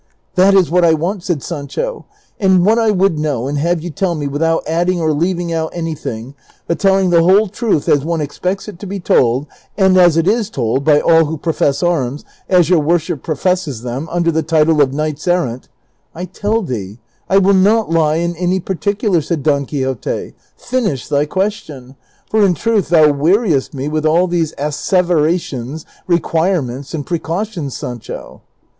'' That is what I want," said Sancho ;" and what I would know, and have you tell me without adding or leaving out any thing, but telling the whole truth as one expects it to be told, and as it is told, by all who profess arms, as your worship pro fesses them, under the title of knights errant "—" I tell thee I will not lie in any particular," said Don Quixote :" finish thy question ; for in truth thou weariest me with all these asseverations, requirements, and precautions, Sancho."